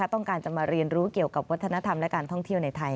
ต้องการจะมาเรียนรู้เกี่ยวกับวัฒนธรรมและการท่องเที่ยวในไทย